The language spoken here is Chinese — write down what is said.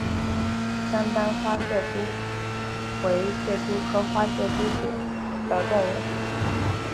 三斑花蟹蛛为蟹蛛科花蟹蛛属的动物。